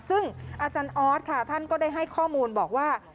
ซึ่งอาจารย์ออสค่ะท่านก็ได้ให้ข้อมูลบอกว่า